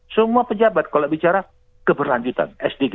semua pejabat kalau bicara keberlanjutan sd